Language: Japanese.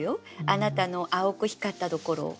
あなたの青く光ったところを。